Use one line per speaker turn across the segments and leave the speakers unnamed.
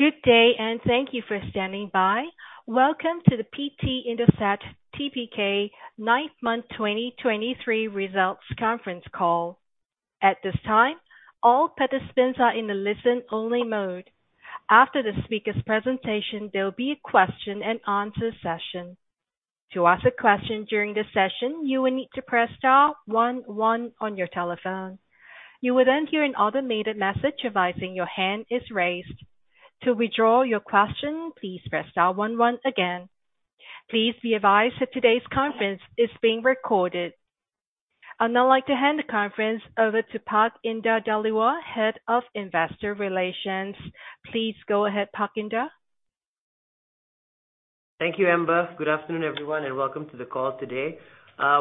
Good day, and thank you for standing by. Welcome to the PT Indosat Tbk nine-month 2023 results conference call. At this time, all participants are in a listen-only mode. After the speaker's presentation, there will be a question-and-answer session. To ask a question during the session, you will need to press star one one on your telephone. You will then hear an automated message advising your hand is raised. To withdraw your question, please press star one one again. Please be advised that today's conference is being recorded. I'd now like to hand the conference over to Indar Dhaliwal, Head of Investor Relations. Please go ahead, Indar.
Thank you, Amber. Good afternoon, everyone, and welcome to the call today.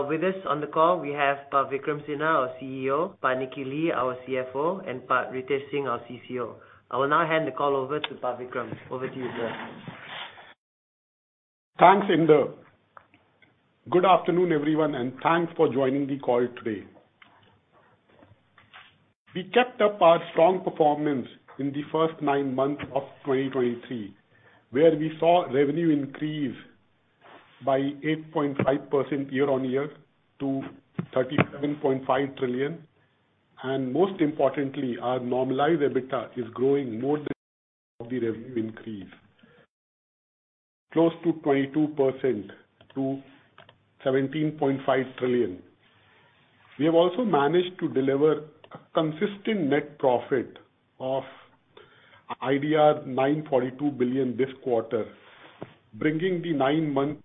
With us on the call, we have Pak Vikram Sinha, our CEO, Pak Nicky Lee, our CFO, and Pak Ritesh Singh, our CCO. I will now hand the call over to Pak Vikram. Over to you, sir.
Thanks, Indar. Good afternoon, everyone, and thanks for joining the call today. We kept up our strong performance in the first nine months of 2023, where we saw revenue increase by 8.5% year-on-year to 37.5 trillion. And most importantly, our normalized EBITDA is growing more than of the revenue increase, close to 22% to 17.5 trillion. We have also managed to deliver a consistent net profit of IDR 942 billion this quarter, bringing the nine-month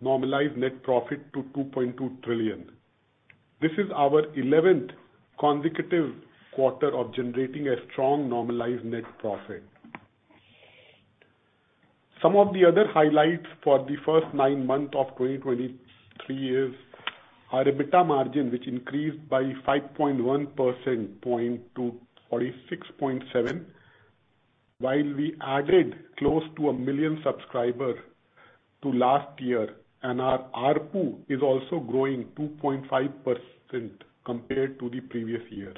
normalized net profit to 2.2 trillion. This is our eleventh consecutive quarter of generating a strong normalized net profit. Some of the other highlights for the first nine months of 2023 is our EBITDA margin, which increased by 5.1 percentage points to 46.7%, while we added close to 1 million subscribers to last year, and our ARPU is also growing 2.5% compared to the previous year.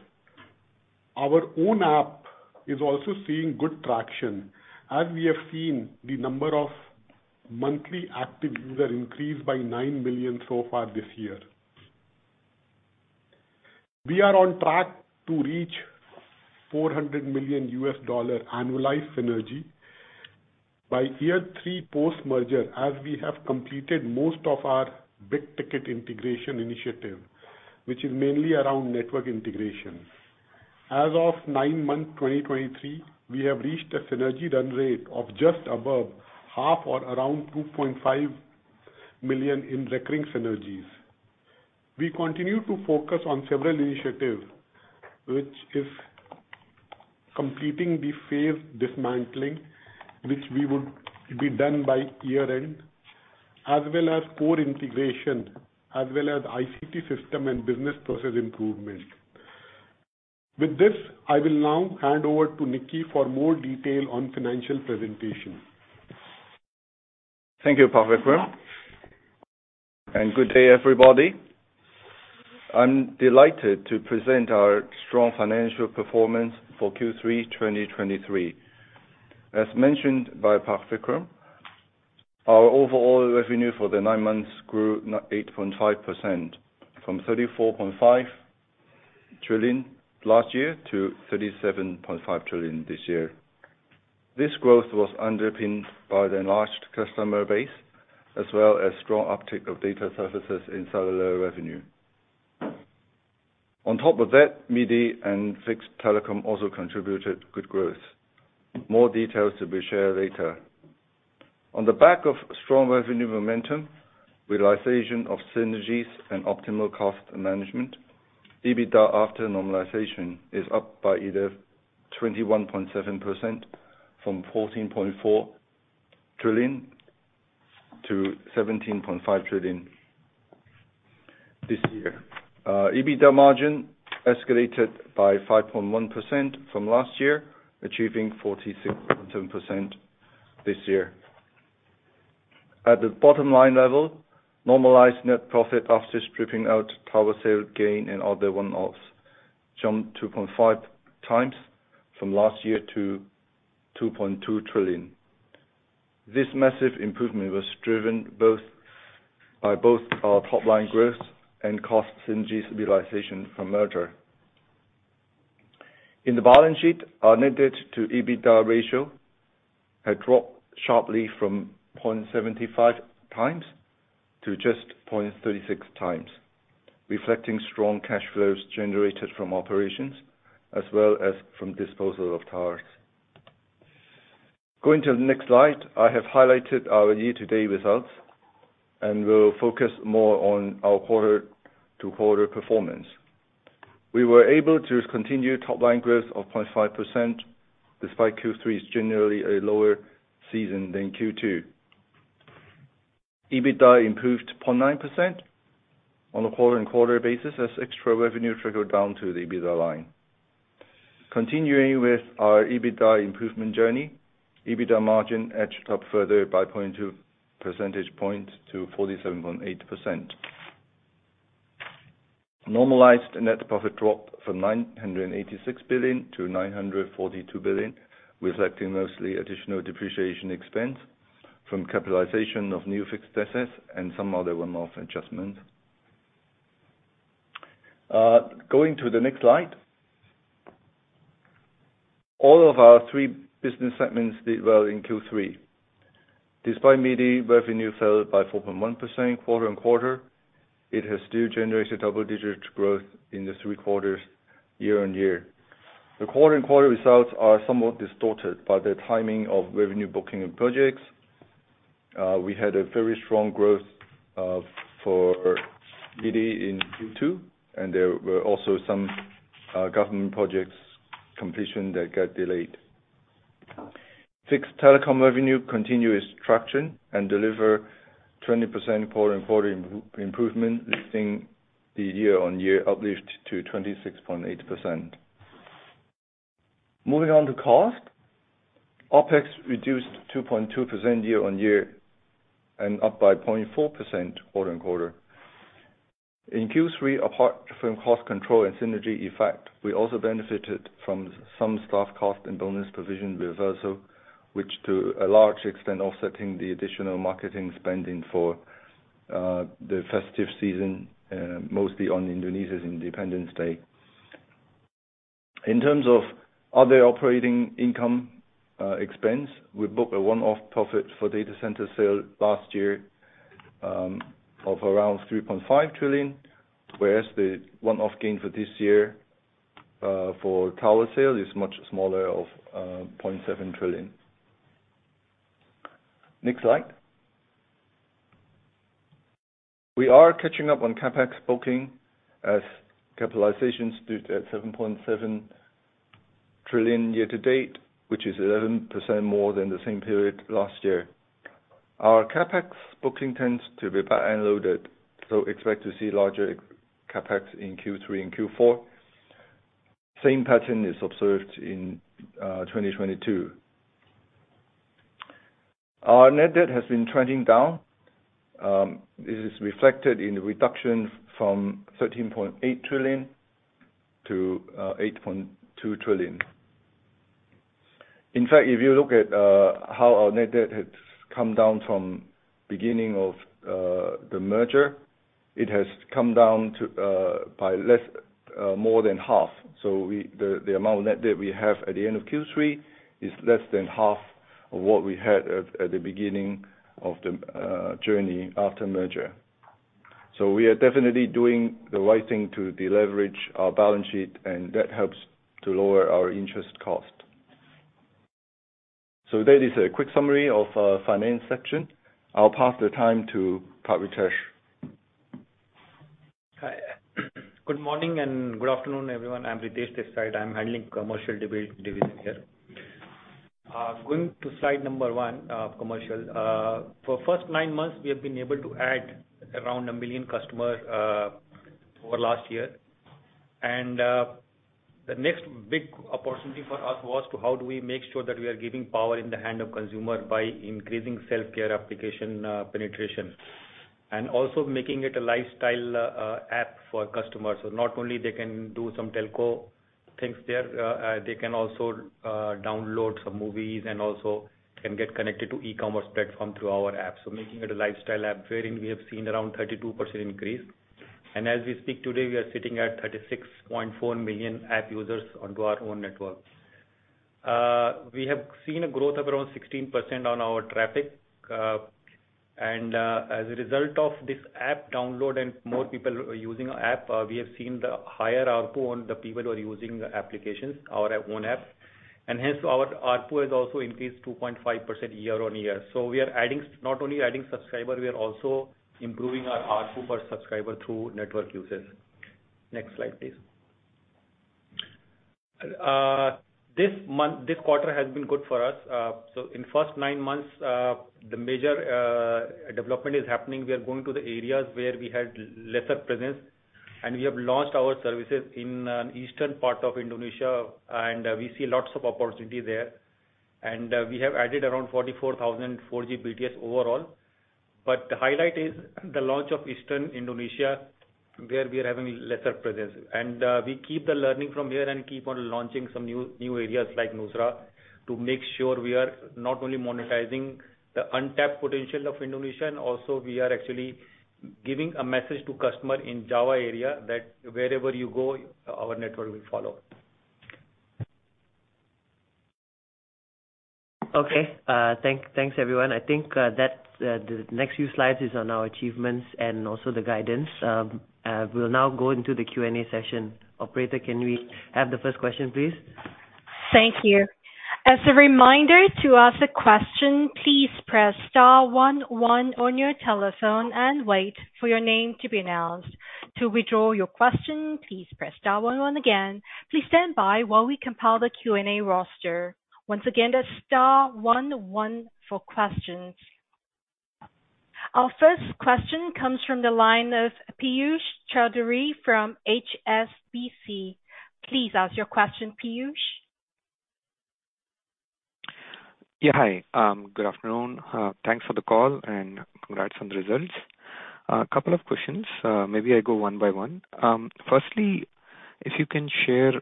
Our own app is also seeing good traction, as we have seen the number of monthly active users increase by 9 million so far this year. We are on track to reach $400 million annualized synergy by year three post-merger, as we have completed most of our big-ticket integration initiative, which is mainly around network integration. As of nine months, 2023, we have reached a synergy run rate of just above half or around $2.5 million in recurring synergies. We continue to focus on several initiatives, which is completing the phase dismantling, which we would be done by year-end, as well as core integration, as well as ICT system and business process improvement. With this, I will now hand over to Nicky for more detail on financial presentation.
Thank you, Vikram, and good day, everybody. I'm delighted to present our strong financial performance for Q3 2023. As mentioned by Vikram, our overall revenue for the nine months grew 8.5%, from 34.5 trillion last year to 37.5 trillion this year. This growth was underpinned by the enlarged customer base, as well as strong uptake of data services in cellular revenue. On top of that, MIDI and Fixed Telecom also contributed good growth. More details to be shared later. On the back of strong revenue momentum, realization of synergies and optimal cost management, EBITDA after normalization is up by either 21.7% from 14.4 trillion to 17.5 trillion this year. EBITDA margin escalated by 5.1% from last year, achieving 46.7% this year. At the bottom line level, normalized net profit after stripping out tower sale gain and other one-offs jumped 2.5 times from last year to 2.2 trillion. This massive improvement was driven both, by both our top-line growth and cost synergies realization from merger. In the balance sheet, our net debt to EBITDA ratio had dropped sharply from 0.75 times to just 0.36 times, reflecting strong cash flows generated from operations as well as from disposal of towers. Going to the next slide, I have highlighted our year-to-date results and will focus more on our quarter-to-quarter performance. We were able to continue top-line growth of 0.5%, despite Q3 is generally a lower season than Q2. EBITDA improved to 0.9% on a quarter-on-quarter basis as extra revenue trickled down to the EBITDA line. Continuing with our EBITDA improvement journey, EBITDA margin edged up further by 0.2 percentage points to 47.8%. Normalized net profit dropped from 986 billion to 942 billion, reflecting mostly additional depreciation expense from capitalization of new fixed assets and some other one-off adjustments. Going to the next slide. All of our three business segments did well in Q3. Despite media revenue fell by 4.1% quarter-on-quarter, it has still generated double-digit growth in the three quarters year-on-year. The quarter-on-quarter results are somewhat distorted by the timing of revenue booking and projects. We had a very strong growth for media in Q2, and there were also some government projects completion that got delayed. Fixed telecom revenue continue its traction and deliver 20% quarter-on-quarter improvement, lifting the year-on-year uplift to 26.8%. Moving on to cost. OpEx reduced 2.2% year-on-year and up by 0.4% quarter-on-quarter. In Q3, apart from cost control and synergy effect, we also benefited from some staff cost and bonus provision reversal, which to a large extent, offsetting the additional marketing spending for the festive season, mostly on Indonesia's Independence Day. In terms of other operating income, expense, we booked a one-off profit for data center sale last year, of around 3.5 trillion, whereas the one-off gain for this year, for tower sale is much smaller of 0.7 trillion. Next slide. We are catching up on CapEx booking as capitalizations stood at 7.7 trillion year to date, which is 11% more than the same period last year. Our CapEx booking tends to be back-end loaded, so expect to see larger CapEx in Q3 and Q4. Same pattern is observed in 2022. Our net debt has been trending down. This is reflected in the reduction from 13.8 trillion to 8.2 trillion. In fact, if you look at how our net debt has come down from beginning of the merger, it has come down by more than half. So, the amount of net debt we have at the end of Q3 is less than half of what we had at the beginning of the journey after merger. So we are definitely doing the right thing to deleverage our balance sheet, and that helps to lower our interest cost. So that is a quick summary of our finance section. I'll pass the time to Ritesh.
Hi. Good morning and good afternoon, everyone. I'm Ritesh Kumar Singh. I'm handling commercial division here. Going to slide number 1, commercial. For first nine months, we have been able to add around 1 million customer over last year. The next big opportunity for us was to how do we make sure that we are giving power in the hand of consumer by increasing self-care application penetration, and also making it a lifestyle app for customers. So not only they can do some telco things there, they can also download some movies and also can get connected to e-commerce platform through our app. So making it a lifestyle app, wherein we have seen around 32% increase. And as we speak today, we are sitting at 36.4 million app users onto our own network. We have seen a growth of around 16% on our traffic. As a result of this app download and more people using our app, we have seen the higher ARPU on the people who are using the applications, our own app. And hence, our ARPU has also increased 2.5% year-on-year. So we are adding, not only adding subscriber, we are also improving our ARPU per subscriber through network usage. Next slide, please. This month... This quarter has been good for us. So in first nine months, the major development is happening. We are going to the areas where we had lesser presence, and we have launched our services in Eastern part of Indonesia, and we see lots of opportunity there. And we have added around 44,000 4G BTS overall. The highlight is the launch of Eastern Indonesia, where we are having lesser presence. We keep the learning from here and keep on launching some new areas like Nusra, to make sure we are not only monetizing the untapped potential of Indonesia, and also we are actually giving a message to customer in Java area that wherever you go, our network will follow.
Okay. Thanks, everyone. I think that the next few slides is on our achievements and also the guidance. We'll now go into the Q&A session. Operator, can we have the first question, please?
Thank you. As a reminder, to ask a question, please press star one one on your telephone and wait for your name to be announced. To withdraw your question, please press star one one again. Please stand by while we compile the Q&A roster. Once again, that's star one one for questions. Our first question comes from the line of Piyush Choudhary from HSBC. Please ask your question, Piyush....
Yeah, hi. Good afternoon. Thanks for the call, and congrats on the results. A couple of questions, maybe I go one by one. Firstly, if you can share,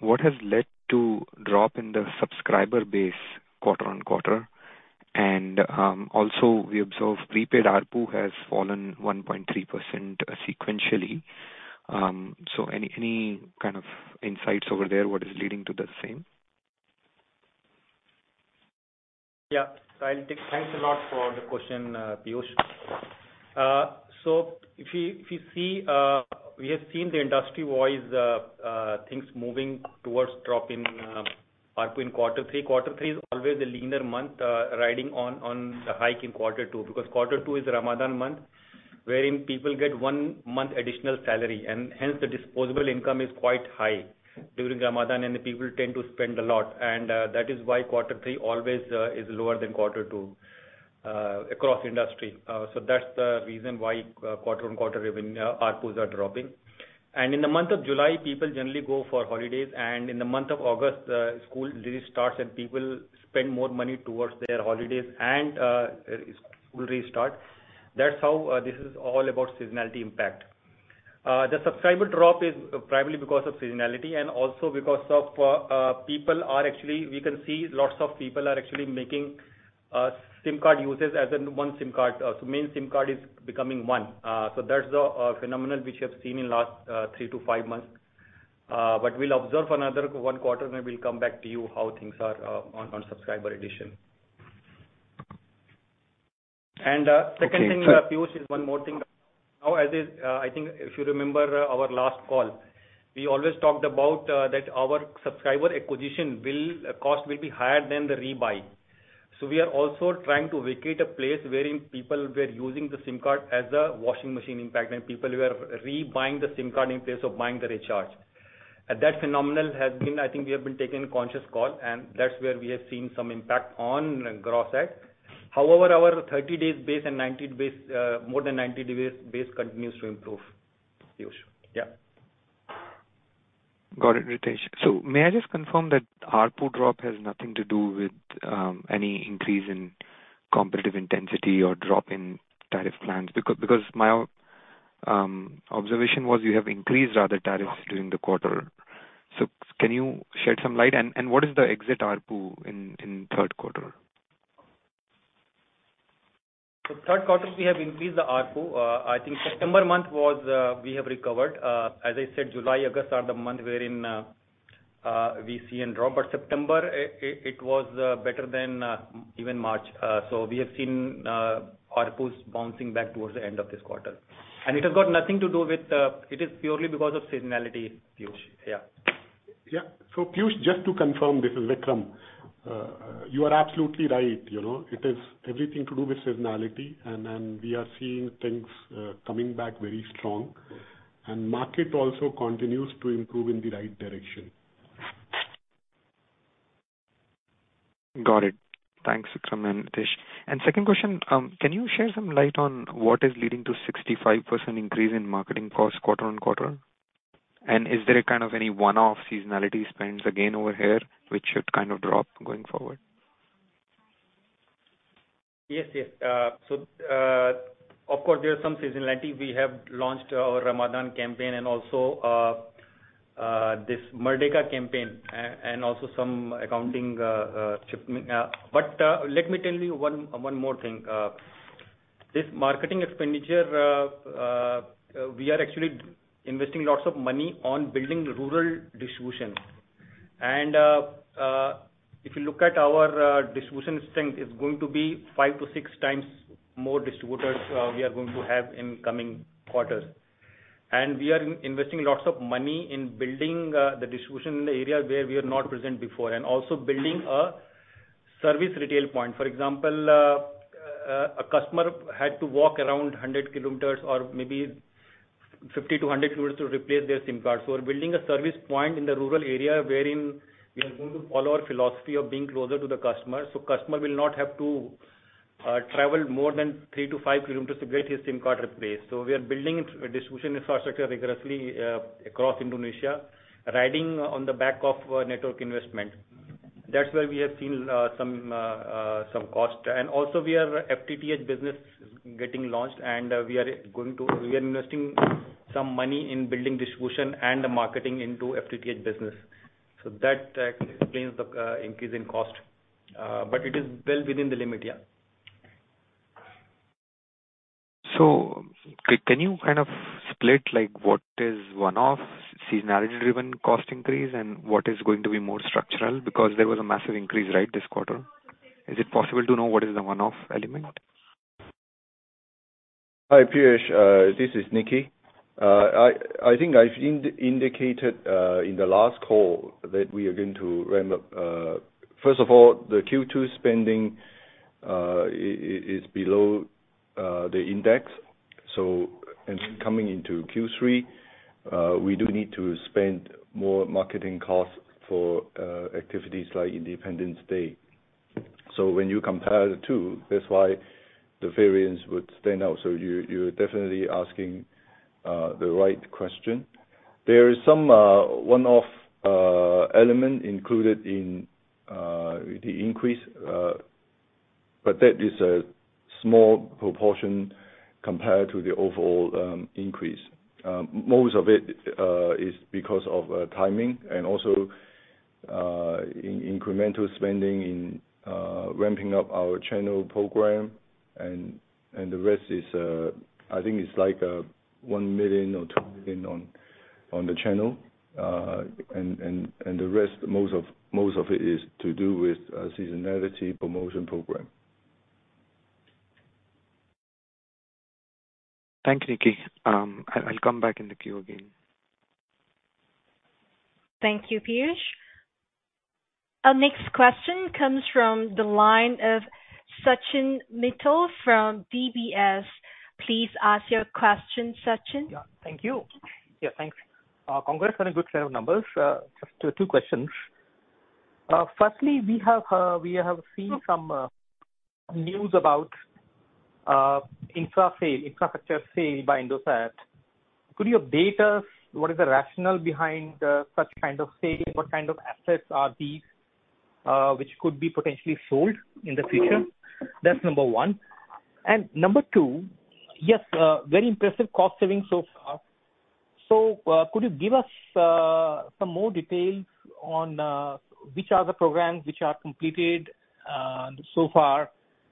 what has led to drop in the subscriber base quarter-on-quarter? And also, we observe prepaid ARPU has fallen 1.3% sequentially. So any kind of insights over there, what is leading to the same?
Yeah. So I'll take. Thanks a lot for the question, Piyush. So if you see, we have seen the industry-wise things moving towards drop in ARPU in quarter three. Quarter three is always a leaner month, riding on the hike in quarter two, because quarter two is Ramadan month, wherein people get one month additional salary, and hence, the disposable income is quite high during Ramadan, and the people tend to spend a lot. That is why quarter three always is lower than quarter two across industry. So that's the reason why quarter-over-quarter revenue ARPUs are dropping. In the month of July, people generally go for holidays, and in the month of August, school really starts, and people spend more money towards their holidays and school restart. That's how this is all about seasonality impact. The subscriber drop is primarily because of seasonality and also because of people are actually... We can see lots of people are actually making SIM card uses as in one SIM card. So main SIM card is becoming one. So that's the phenomenon which you have seen in last three to five months. But we'll observe another one quarter, maybe we'll come back to you how things are on subscriber addition. And second thing, Piyush, is one more thing. Now, as is, I think if you remember our last call, we always talked about that our subscriber acquisition will cost will be higher than the rebuy. So we are also trying to vacate a place wherein people were using the SIM card as a washing machine, in fact, and people were rebuying the SIM card in place of buying the recharge. And that phenomenon has been, I think we have been taking a conscious call, and that's where we have seen some impact on gross add. However, our 30-days base and 90-days, more than 90-days base continues to improve, Piyush. Yeah.
Got it, Ritesh. So may I just confirm that ARPU drop has nothing to do with any increase in competitive intensity or drop in tariff plans? Because my observation was you have increased rather tariffs during the quarter. So can you shed some light? And what is the exit ARPU in Q3?
So Q3, we have increased the ARPU. I think September month was, we have recovered. As I said, July, August are the month wherein, we see a drop. But September, it, it was, better than, even March. So we have seen, ARPUs bouncing back towards the end of this quarter. And it has got nothing to do with, it is purely because of seasonality, Piyush. Yeah.
Yeah. So, Piyush, just to confirm, this is Vikram. You are absolutely right, you know, it is everything to do with seasonality, and we are seeing things coming back very strong. And market also continues to improve in the right direction.
Got it. Thanks, Vikram and Ritesh. And second question, can you share some light on what is leading to 65% increase in marketing costs quarter-on-quarter? And is there a kind of any one-off seasonality spends again over here, which should kind of drop going forward?
Yes, yes. So, of course, there is some seasonality. We have launched our Ramadan campaign and also this Merdeka campaign, and also some accounting shipment. But let me tell you one more thing. This marketing expenditure, we are actually investing lots of money on building rural distribution. And if you look at our distribution strength, it's going to be 5-6 times more distributors we are going to have in coming quarters. And we are investing lots of money in building the distribution area where we are not present before, and also building a service retail point. For example, a customer had to walk around 100 kilometers or maybe 50-100 kilometers to replace their SIM card. So we're building a service point in the rural area wherein we are going to follow our philosophy of being closer to the customer, so customer will not have to travel more than 3-5 km to get his SIM card replaced. So we are building a distribution infrastructure rigorously across Indonesia, riding on the back of network investment. That's where we have seen some cost. And also, we have FTTH business getting launched, and we are investing some money in building distribution and the marketing into FTTH business. So that explains the increase in cost, but it is well within the limit. Yeah.
So can you kind of split, like, what is one-off seasonality-driven cost increase and what is going to be more structural? Because there was a massive increase, right, this quarter. Is it possible to know what is the one-off element?
Hi, Piyush, this is Nicky. I think I've indicated in the last call that we are going to ramp up. First of all, the Q2 spending is below the index. So, coming into Q3, we do need to spend more marketing costs for activities like Independence Day. So when you compare the two, that's why the variance would stand out. So you're definitely asking the right question. There is some one-off element included in the increase, but that is a small proportion compared to the overall increase. Most of it is because of timing and also incremental spending in ramping up our channel program, and the rest is, I think it's like 1 million or 2 million on the channel. And the rest, most of it is to do with seasonality promotion program.
Thank you, Nicky. I'll come back in the queue again.
Thank you, Piyush. Our next question comes from the line of Sachin Mittal from DBS. Please ask your question, Sachin.
Yeah, thank you. Yeah, thanks. Congrats on a good set of numbers. Just two questions. Firstly, we have seen some news about infra sale, infrastructure sale by Indosat. Could you update us, what is the rationale behind such kind of sale? What kind of assets are these which could be potentially sold in the future? That's number one. And number two, yes, very impressive cost savings so far. So, could you give us some more details on which are the programs which are completed so far,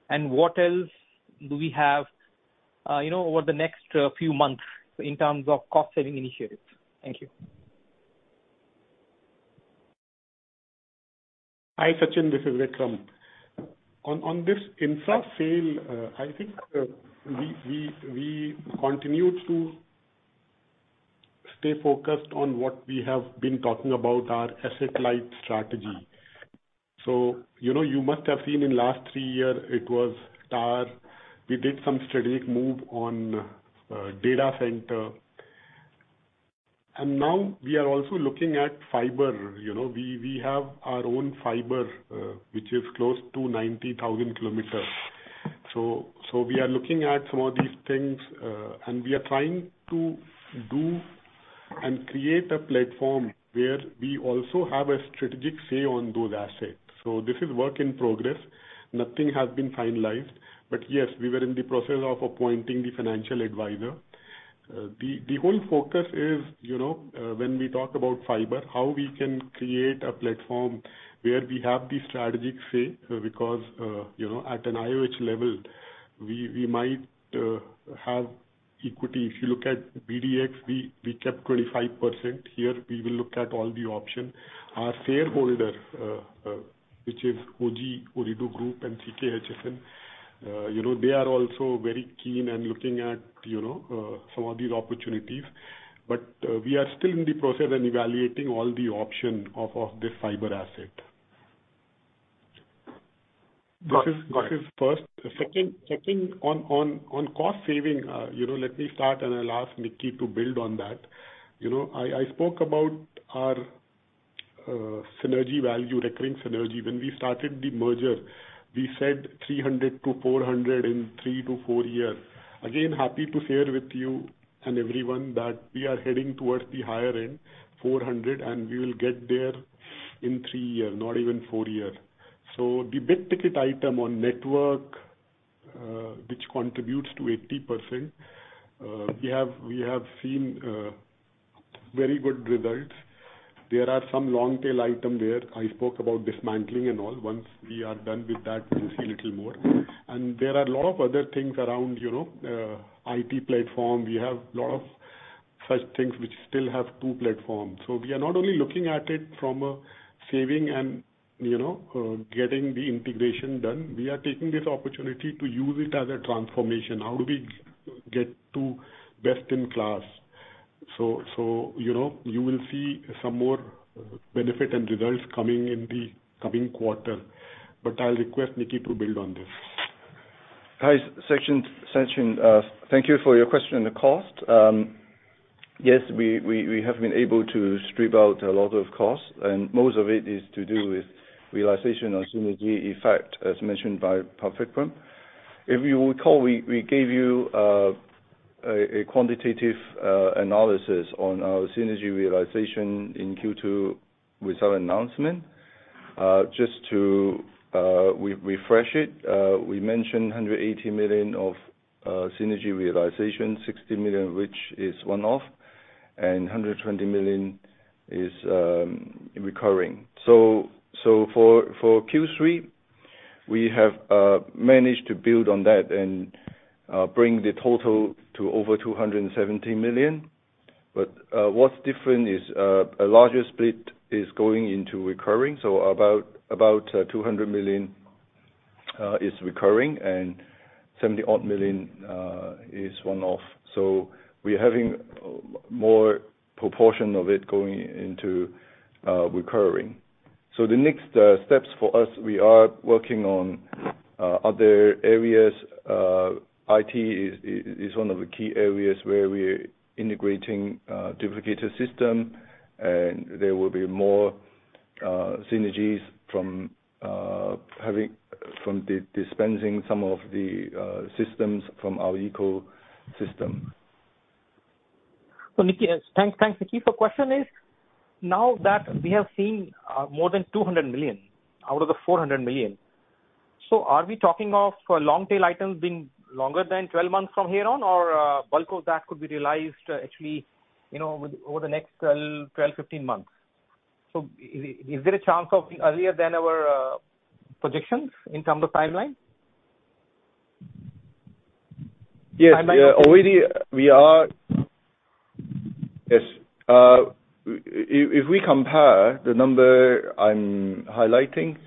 and what else do we have, you know, over the next few months in terms of cost-saving initiatives? Thank you.
Hi, Sachin, this is Vikram. On this infra sale, I think we continue to stay focused on what we have been talking about, our asset-light strategy. So, you know, you must have seen in last three years, it was tar. We did some strategic move on data center, and now we are also looking at fiber. You know, we have our own fiber, which is close to 90,000 kilometers. So we are looking at some of these things, and we are trying to do and create a platform where we also have a strategic say on those assets. So this is work in progress. Nothing has been finalized, but yes, we were in the process of appointing the financial advisor. The whole focus is, you know, when we talk about fiber, how we can create a platform where we have the strategic say, because, you know, at an IOH level, we might have equity. If you look at BDx, we kept 25%. Here, we will look at all the options. Our shareholder, which is OG, Ooredoo Group and CK Hutchison, you know, they are also very keen and looking at, you know, some of these opportunities. But, we are still in the process and evaluating all the option of this fiber asset.
Got it.
This is first. The second on cost saving, you know, let me start and I'll ask Nicky to build on that. You know, I spoke about our synergy value, recurring synergy. When we started the merger, we said $300 million-$400 million in three to four years. Again, happy to share with you and everyone that we are heading towards the higher end, $400 million, and we will get there in three years, not even four years. So the big-ticket item on network, which contributes to 80%, we have seen very good results. There are some long tail item there. I spoke about dismantling and all. Once we are done with that, we'll see little more. And there are a lot of other things around, you know, IT platform. We have a lot of such things which still have two platforms. So we are not only looking at it from a saving and, you know, getting the integration done. We are taking this opportunity to use it as a transformation. How do we get to best in class? So, you know, you will see some more benefit and results coming in the coming quarter. But I'll request Nicky to build on this.
Hi, Sachin. Sachin, thank you for your question on the cost. Yes, we have been able to strip out a lot of costs, and most of it is to do with realization of synergy effect, as mentioned by Vikram. If you recall, we gave you a quantitative analysis on our synergy realization in Q2 with our announcement. Just to re-refresh it, we mentioned $180 million of synergy realization, $60 million, which is one-off, and $120 million is recurring. So for Q3, we have managed to build on that and bring the total to over $270 million. But what's different is a larger split is going into recurring, so about $200 million is recurring and $70-odd million is one-off. So we're having more proportion of it going into recurring. So the next steps for us, we are working on other areas. IT is one of the key areas where we're integrating duplicate systems, and there will be more synergies from having dispensed some of the systems from our ecosystem.
So Nicky, thanks, thanks, Nicky. So question is, now that we have seen more than $200 million out of the $400 million, so are we talking of long tail items being longer than 12 months from here on? Or bulk of that could be realized, actually, you know, over the next 12, 12, 15 months. So is there a chance of being earlier than our projections in terms of timeline?
Yes.
I might-
Already we are. Yes. If we compare the number I'm highlighting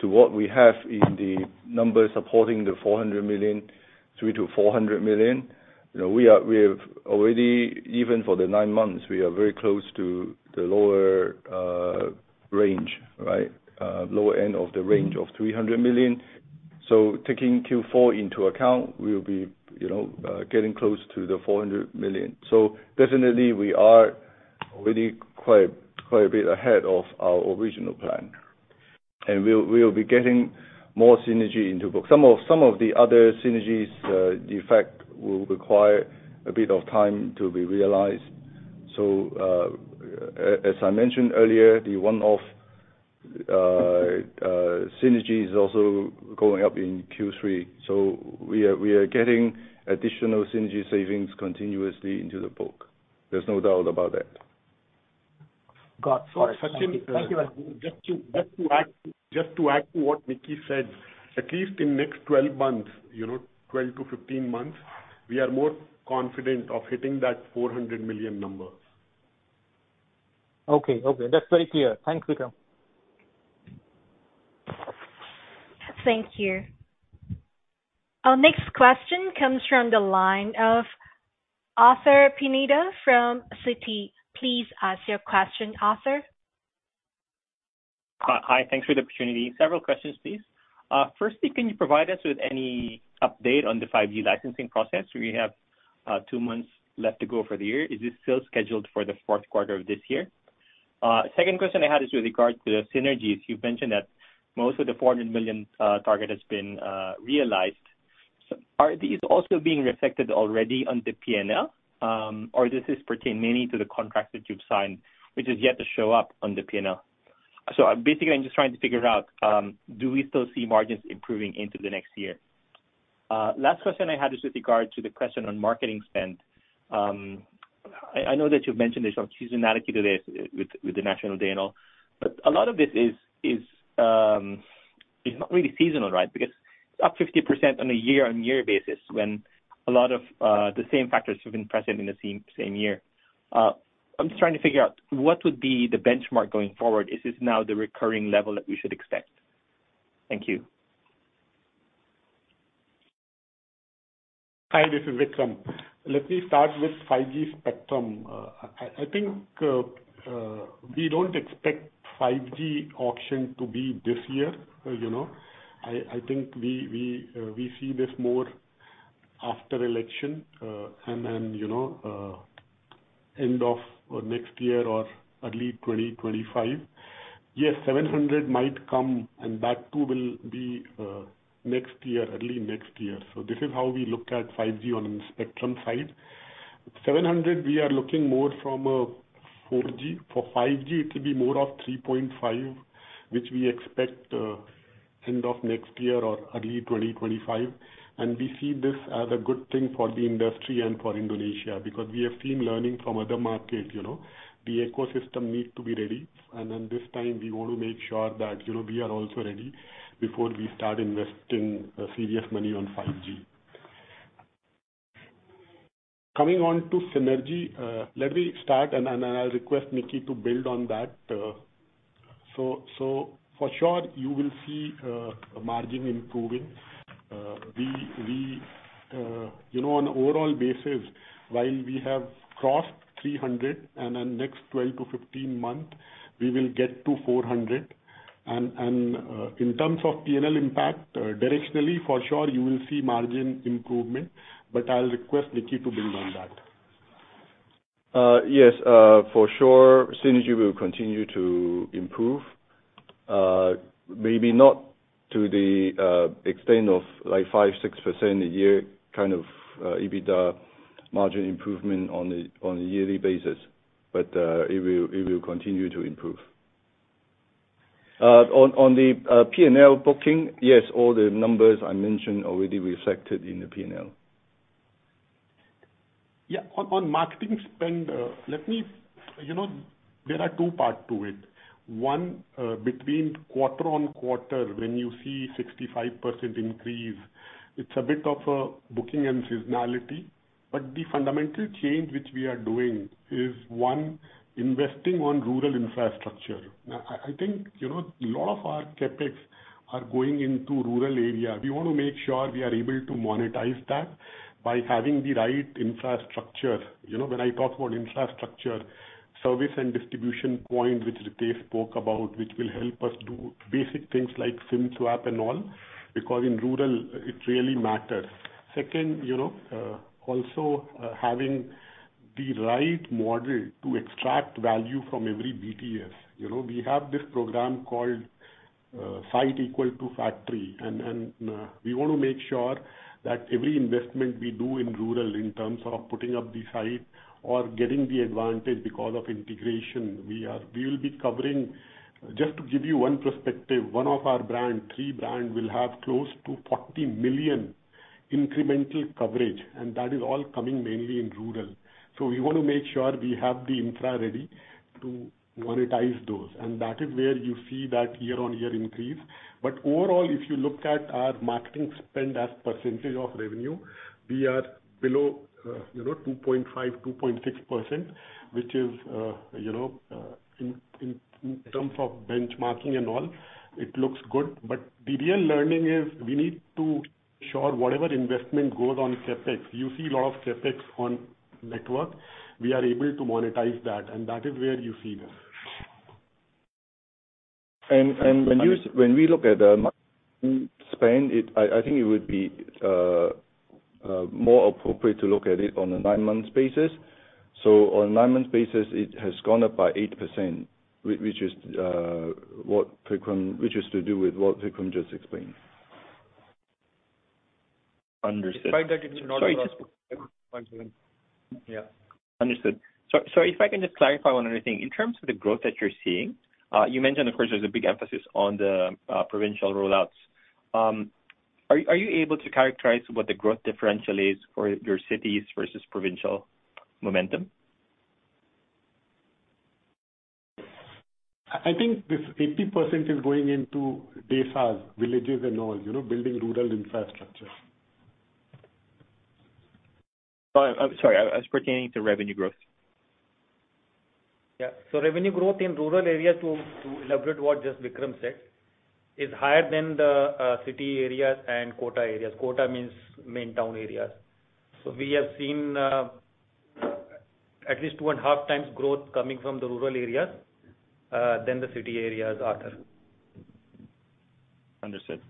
to what we have in the numbers supporting the $400 million, $300 million-$400 million, you know, we are. We have already, even for the nine months, we are very close to the lower range, right? Lower end of the range of $300 million. So taking Q4 into account, we will be, you know, getting close to the $400 million. So definitely we are already quite, quite a bit ahead of our original plan. And we'll be getting more synergy into book. Some of the other synergies, the effect will require a bit of time to be realized. So, as I mentioned earlier, the one-off synergy is also going up in Q3. So we are getting additional synergy savings continuously into the book. There's no doubt about that.
Got it.
So, Sachin, just to add to what Nicky said, at least in next 12 months, you know, 12-15 months, we are more confident of hitting that $400 million number.
Okay. Okay, that's very clear. Thanks, Vikram.
Thank you. Our next question comes from the line of Arthur Pineda from Citi. Please ask your question, Arthur.
Hi, hi. Thanks for the opportunity. Several questions, please. Firstly, can you provide us with any update on the 5G licensing process, where you have two months left to go for the year? Is this still scheduled for the Q4 of this year? Second question I had is with regard to the synergies. You've mentioned that most of the $400 million target has been realized. So are these also being reflected already on the P&L? Or this is pertain mainly to the contracts that you've signed, which is yet to show up on the P&L? So I'm basically, I'm just trying to figure out, do we still see margins improving into the next year? Last question I had is with regard to the question on marketing spend. I know that you've mentioned there's some seasonality today with the National Day and all, but a lot of this is not really seasonal, right? Because up 50% on a year-on-year basis, when a lot of the same factors have been present in the same year. I'm just trying to figure out what would be the benchmark going forward. Is this now the recurring level that we should expect? Thank you.
Hi, this is Vikram. Let me start with 5G spectrum. I think we don't expect 5G auction to be this year, you know. I think we see this more after election, and then, you know, end of or next year or early 2025. Yes, 700 might come, and that too, will be next year, early next year. So this is how we look at 5G on the spectrum side. 700, we are looking more from a 4G. For 5G, it will be more of 3.5, which we expect end of next year or early 2025. And we see this as a good thing for the industry and for Indonesia, because we have seen learning from other markets, you know, the ecosystem need to be ready. And then this time we want to make sure that, you know, we are also ready before we start investing serious money on 5G. Coming on to synergy, let me start and then I'll request Nicky to build on that. So, for sure, you will see margin improving. We, you know, on overall basis, while we have crossed 300, and then next 12-15 months, we will get to 400. And, in terms of P&L impact, directionally, for sure, you will see margin improvement, but I'll request Nicky to build on that.
Yes, for sure, synergy will continue to improve, maybe not to the extent of like 5%-6% a year, kind of, EBITDA margin improvement on a yearly basis, but it will continue to improve. On the P&L booking, yes, all the numbers I mentioned already reflected in the P&L.
Yeah. On marketing spend, let me. You know, there are two parts to it. One, between quarter-over-quarter, when you see 65% increase, it's a bit of a booking and seasonality, but the fundamental change which we are doing is, one, investing on rural infrastructure. Now, I think, you know, a lot of our CapEx are going into rural area. We want to make sure we are able to monetize that by having the right infrastructure. You know, when I talk about infrastructure, service and distribution point, which Ritesh spoke about, which will help us do basic things like SIM swap and all, because in rural, it really matters. Second, you know, also, having the right model to extract value from every BTS. You know, we have this program called Site Equal to Factory, and we want to make sure that every investment we do in rural in terms of putting up the site or getting the advantage because of integration, we will be covering. Just to give you one perspective, one of our brands, Tri brand, will have close to 40 million incremental coverage, and that is all coming mainly in rural. So we want to make sure we have the infra ready to monetize those, and that is where you see that year-on-year increase. But overall, if you look at our marketing spend as percentage of revenue, we are below 2.5-2.6%, which is in terms of benchmarking and all, it looks good. But the real learning is we need to ensure whatever investment goes on CapEx, you see a lot of CapEx on network, we are able to monetize that, and that is where you see that.
When we look at the marketing spend, I think it would be more appropriate to look at it on a nine-month basis. So on a nine-month basis, it has gone up by 8%, which is to do with what Vikram just explained.
Understood.
Despite that, it is not-
Sorry, just one second.
Yeah.
Understood. So, so if I can just clarify one other thing. In terms of the growth that you're seeing, you mentioned, of course, there's a big emphasis on the, provincial rollouts. Are you able to characterize what the growth differential is for your cities versus provincial momentum?
I think this 80% is going into BTS villages and all, you know, building rural infrastructure.
I'm sorry, I was pertaining to revenue growth.
Yeah. So revenue growth in rural areas, to elaborate what just Vikram said, is higher than the city areas and quota areas. Quota means main town areas. So we have seen at least 2.5 times growth coming from the rural areas than the city areas after.
Understood.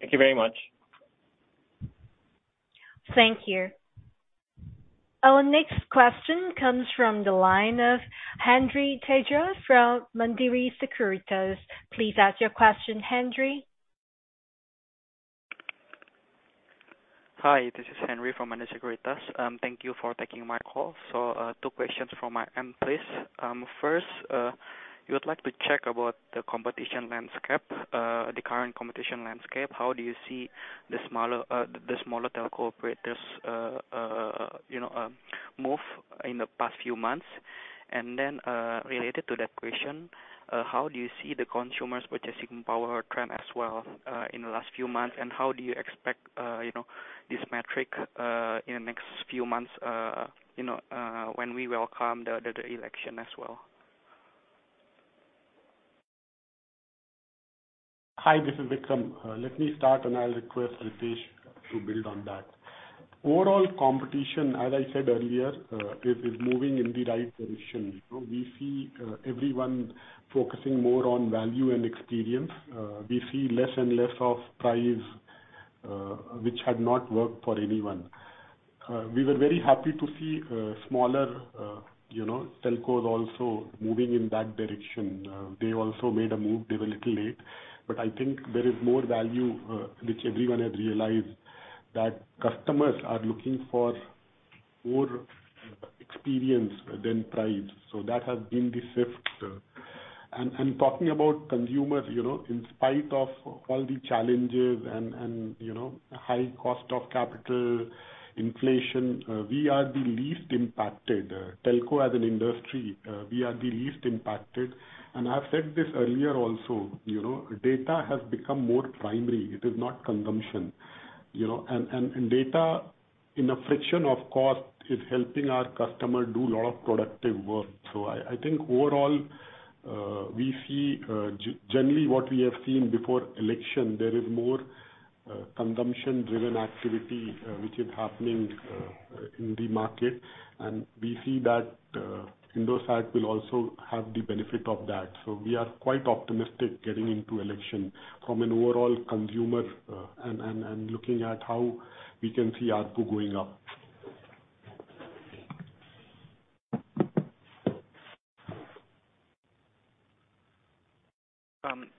Thank you very much.
Thank you. Our next question comes from the line of Henry Tedros from Mandiri Sekuritas. Please ask your question, Henry.
Hi, this is Henry from Mandiri Sekuritas. Thank you for taking my call. So, two questions from my end, please. First, you would like to check about the competition landscape, the current competition landscape. How do you see the smaller telco operators, you know, move in the past few months? And then, related to that question, how do you see the consumers' purchasing power trend as well, in the last few months, and how do you expect, you know, this metric, in the next few months, you know, when we welcome the election as well?
Hi, this is Vikram. Let me start, and I'll request Ritesh to build on that. Overall competition, as I said earlier, is moving in the right direction. You know, we see everyone focusing more on value and experience. We see less and less of price, which had not worked for anyone. We were very happy to see smaller, you know, telcos also moving in that direction. They also made a move. They were a little late, but I think there is more value, which everyone has realized, that customers are looking for more experience than price. So that has been the shift. Talking about consumers, you know, in spite of all the challenges and, you know, high cost of capital, inflation, we are the least impacted. Telco as an industry, we are the least impacted. And I've said this earlier also, you know, data has become more primary. It is not consumption, you know. And data, in a friction of cost, is helping our customer do a lot of productive work. So I think overall, we see generally what we have seen before election; there is more consumption-driven activity which is happening in the market. And we see that Indosat will also have the benefit of that. So we are quite optimistic getting into election from an overall consumer and looking at how we can see ARPU going up.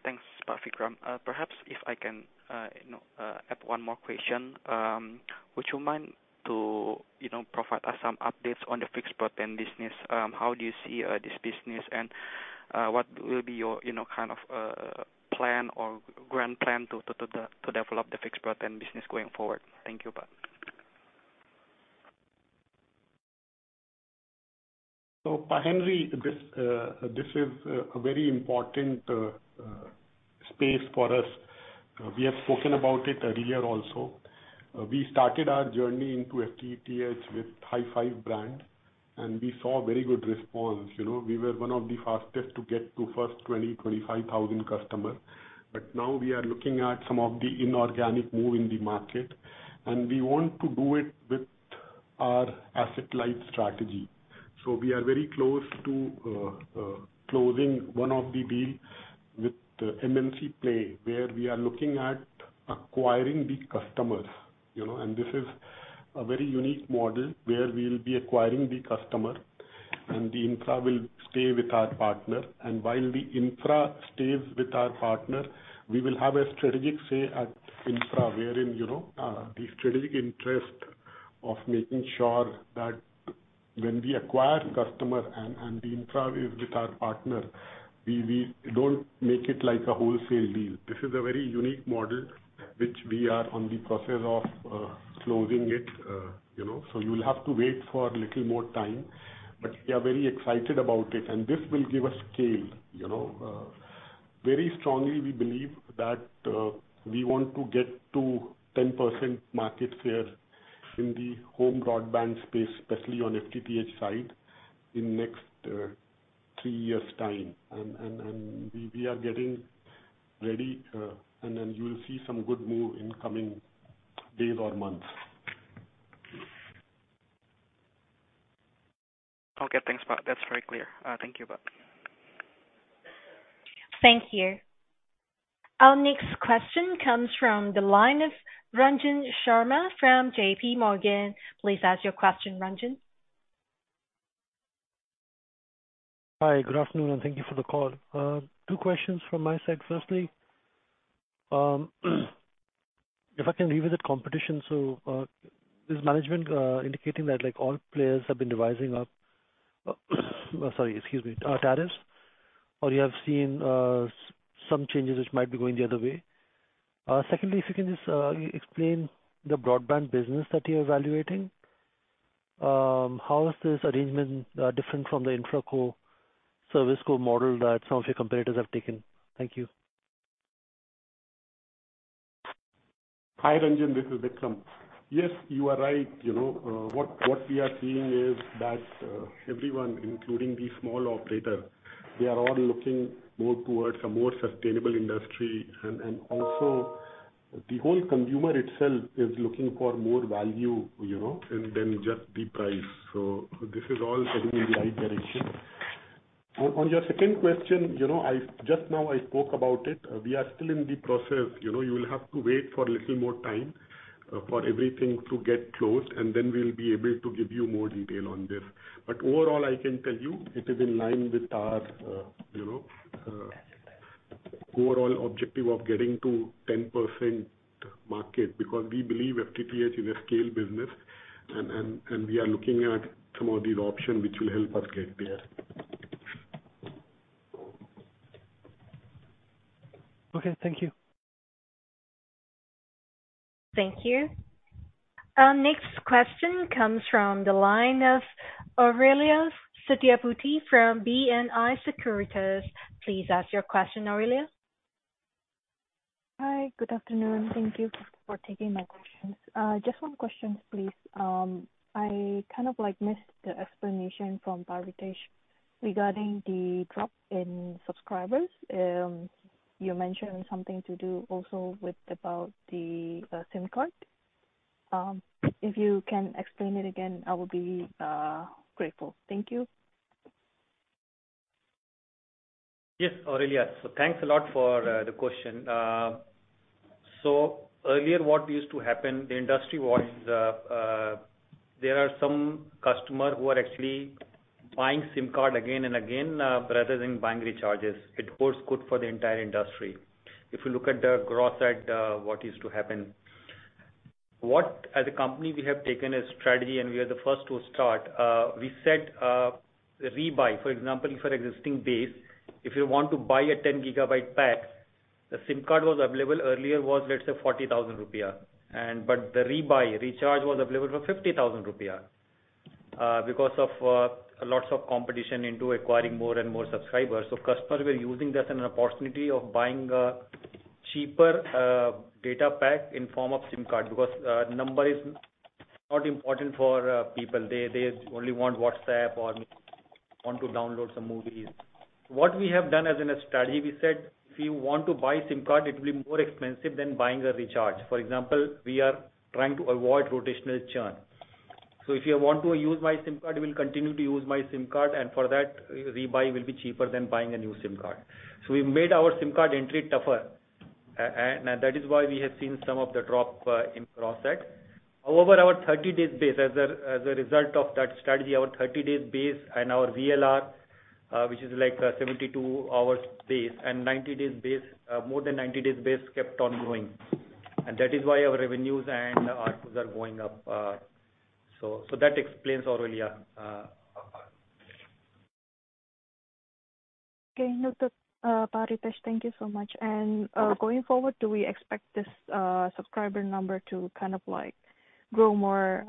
Thanks, Vikram. Perhaps if I can, you know, add one more question. Would you mind to, you know, provide us some updates on the fixed broadband business? How do you see this business, and what will be your, you know, kind of, plan or grand plan to develop the fixed broadband business going forward? Thank you, Vikram.
So Henry, this is a very important space for us. We have spoken about it earlier also. We started our journey into FTTH with HiFi brand, and we saw very good response. You know, we were one of the fastest to get to first 20,000-25,000 customers. But now we are looking at some of the inorganic move in the market, and we want to do it with our asset-light strategy. So we are very close to closing one of the deal with the MNC Play, where we are looking at acquiring the customers, you know. And this is a very unique model, where we will be acquiring the customer, and the infra will stay with our partner. While the infra stays with our partner, we will have a strategic say at infra, wherein, you know, the strategic interest of making sure that when we acquire customer and, and the infra is with our partner, we, we don't make it like a wholesale deal. This is a very unique model, which we are on the process of, closing it, you know. So you will have to wait for a little more time, but we are very excited about it, and this will give us scale, you know. Very strongly we believe that, we want to get to 10% market share in the home broadband space, especially on FTTH side, in next, three years' time. And we are getting ready, and then you will see some good move in coming days or months.
Okay, thanks, Pak. That's very clear. Thank you, Pak.
Thank you. Our next question comes from the line of Ranjan Sharma from JP Morgan. Please ask your question, Ranjan.
Hi, good afternoon, and thank you for the call. Two questions from my side. Firstly, if I can revisit competition. So, is management indicating that, like, all players have been revising up, sorry, excuse me, tariffs? Or you have seen some changes which might be going the other way. Secondly, if you can just explain the broadband business that you're evaluating. How is this arrangement different from the infra co, service co model that some of your competitors have taken? Thank you.
Hi, Ranjan, this is Vikram. Yes, you are right. You know, what we are seeing is that everyone, including the small operator, they are all looking more towards a more sustainable industry. And also, the whole consumer itself is looking for more value, you know, than just the price. So this is all heading in the right direction. On your second question, you know, I've just now I spoke about it. We are still in the process. You know, you will have to wait for a little more time for everything to get closed, and then we'll be able to give you more detail on this. But overall, I can tell you, it is in line with our overall objective of getting to 10% market. Because we believe FTTH is a scale business, and we are looking at some of these options which will help us get there.
Okay, thank you.
Thank you. Our next question comes from the line of Aurelia Setiabudi from BNI Securities. Please ask your question, Aurelia.
Hi, good afternoon. Thank you for taking my questions. Just one question, please. I kind of, like, missed the explanation from Pak Ritesh regarding the drop in subscribers. You mentioned something to do also with, about the, SIM card. If you can explain it again, I will be grateful. Thank you.
Yes, Aurelia. So thanks a lot for the question. So earlier, what used to happen, the industry was, there are some customer who are actually buying SIM card again and again, rather than buying recharges. It was good for the entire industry. If you look at the growth side, what used to happen. What as a company we have taken a strategy, and we are the first to start, we set rebuy. For example, for existing base, if you want to buy a 10 gigabyte pack, the SIM card was available earlier was, let's say, 40,000 rupiah. And but the rebuy, recharge, was available for 50,000 rupiah. Because of lots of competition into acquiring more and more subscribers, so customers were using that an opportunity of buying a cheaper data pack in form of SIM card. Because number is not important for people. They, they only want WhatsApp or want to download some movies. What we have done as a strategy, we said if you want to buy SIM card, it will be more expensive than buying a recharge. For example, we are trying to avoid rotational churn. So if you want to use my SIM card, you will continue to use my SIM card, and for that, rebuy will be cheaper than buying a new SIM card. So we made our SIM card entry tougher, and that is why we have seen some of the drop in growth rate. However, our 30-day base, as a result of that strategy, our 30-day base and our VLR, which is like a 72-hour base, and 90-day base, more than 90-day base, kept on growing. That is why our revenues and ARPU are going up, so that explains, Aurelia.
Okay, Pak Ritesh, thank you so much. And, going forward, do we expect this subscriber number to kind of like grow more,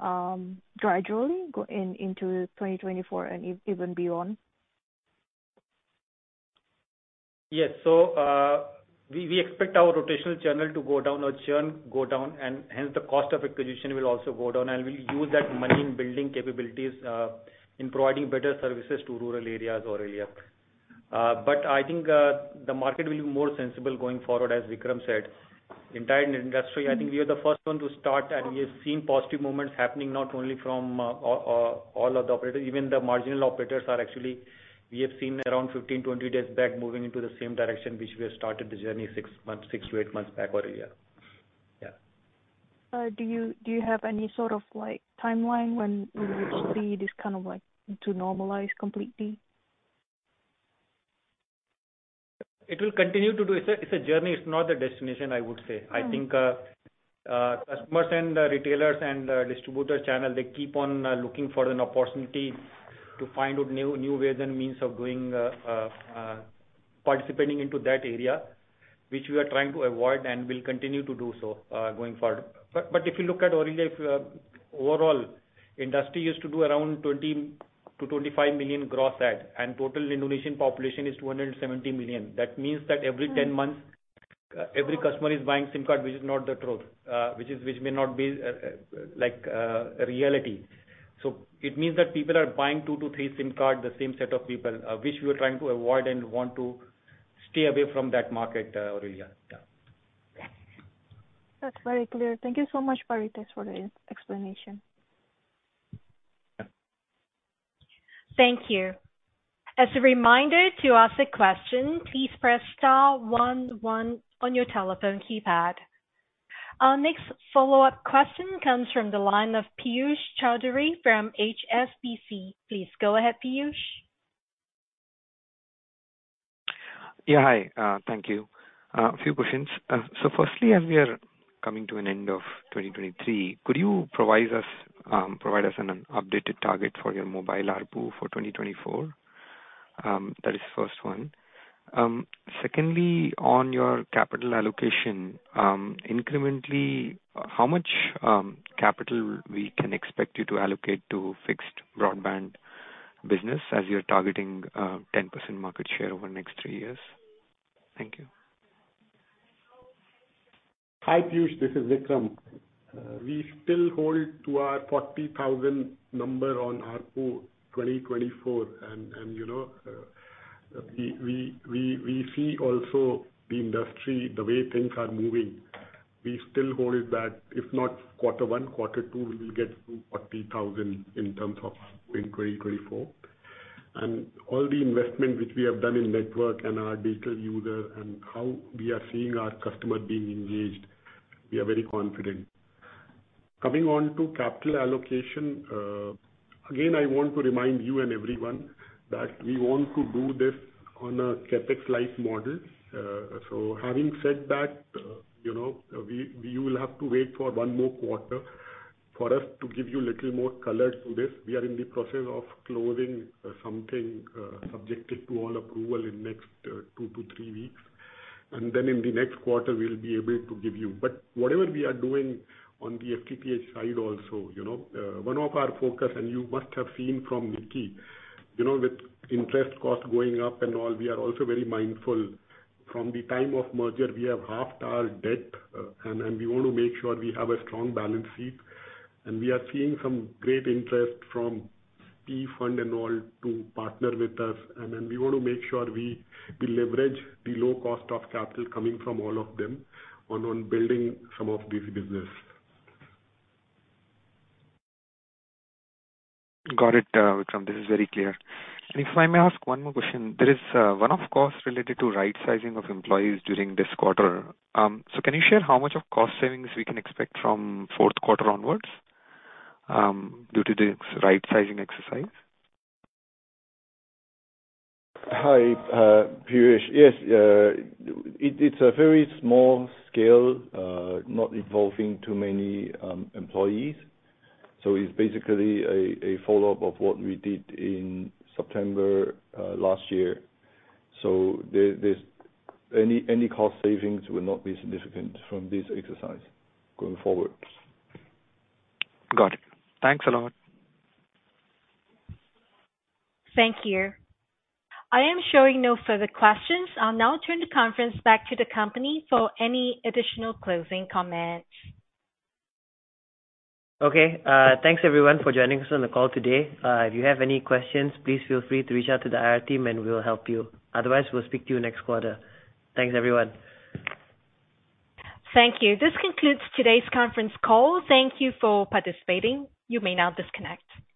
gradually go in, into 2024 and even beyond?
Yes. So, we, we expect our rotational channel to go down, or churn go down, and hence the cost of acquisition will also go down. And we'll use that money in building capabilities, in providing better services to rural areas, Aurelia. But I think, the market will be more sensible going forward, as Vikram said. Entire industry, I think we are the first one to start, and we have seen positive moments happening, not only from, all, all of the operators, even the marginal operators are actually. We have seen around 15, 20 days back, moving into the same direction which we have started the journey 6 months, six to eight months back, Aurelia. Yeah.
Do you have any sort of, like, timeline when you see this kind of, like, to normalize completely?
It will continue to do. It's a, it's a journey, it's not a destination, I would say. Mm. I think, customers and retailers and distributors channel, they keep on looking for an opportunity to find out new ways and means of doing participating into that area, which we are trying to avoid, and will continue to do so going forward. But if you look at Aurelia, if overall, industry used to do around 20-25 million gross add, and total Indonesian population is 270 million. That means that every 10 months- Mm. Every customer is buying SIM card, which is not the truth, which is, which may not be, like, a reality. So it means that people are buying 2-3 SIM card, the same set of people, which we are trying to avoid and want to stay away from that market, Aurelia. Yeah.
That's very clear. Thank you so much, Ritesh, for the explanation.
Thank you. As a reminder, to ask a question, please press star one one on your telephone keypad. Our next follow-up question comes from the line of Piyush Choudhary from HSBC. Please go ahead, Piyush.
Yeah, hi. Thank you. A few questions. So firstly, as we are coming to an end of 2023, could you provide us an updated target for your mobile ARPU for 2024? That is first one. Secondly, on your capital allocation, incrementally, how much capital we can expect you to allocate to fixed broadband business, as you're targeting 10% market share over the next three years? Thank you.
Hi, Piyush, this is Vikram. We still hold to our 40,000 number on ARPU 2024. And you know, we see also the industry, the way things are moving, we still hold it that if not quarter one, quarter two, we will get to 40,000 in terms of 2024. And all the investment which we have done in network and our data user, and how we are seeing our customer being engaged, we are very confident. Coming on to capital allocation, again, I want to remind you and everyone that we want to do this on a CapEx light model. So having said that, you know, you will have to wait for one more quarter for us to give you a little more color to this. We are in the process of closing something, subject to all approvals in the next 2-3 weeks. And then in the next quarter, we'll be able to give you. But whatever we are doing on the FTTH side also, you know, one of our focus, and you must have seen from Nicky, you know, with interest costs going up and all, we are also very mindful. From the time of merger, we have halved our debt, and we want to make sure we have a strong balance sheet. And we are seeing some great interest from the fund and all to partner with us. And then we want to make sure we, we leverage the low cost of capital coming from all of them on, on building some of this business.
Got it, Vikram. This is very clear. And if I may ask one more question: There is one-off cost related to right sizing of employees during this quarter. So can you share how much of cost savings we can expect from Q4 onwards, due to this right sizing exercise?
Hi, Piyush. Yes, it's a very small scale, not involving too many employees. So it's basically a follow-up of what we did in September last year. So there's... Any cost savings will not be significant from this exercise going forward.
Got it. Thanks a lot.
Thank you. I am showing no further questions. I'll now turn the conference back to the company for any additional closing comments.
Okay. Thanks, everyone, for joining us on the call today. If you have any questions, please feel free to reach out to the IR team, and we will help you. Otherwise, we'll speak to you next quarter. Thanks, everyone.
Thank you. This concludes today's conference call. Thank you for participating. You may now disconnect.